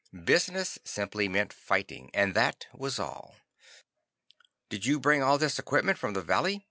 Business simply meant fighting, and that was all.) "Did you bring all this equipment from the valley?"